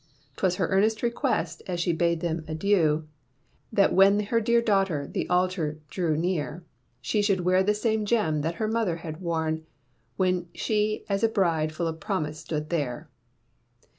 Twas her earnest request, as she bade them adieu, That when her dear daughter the altar drew near, She should wear the same gem that her mother had worn When she as a bride full of promise stood there.